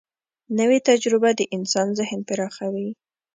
نوې تجربه د انسان ذهن پراخوي